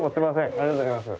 ありがとうございます。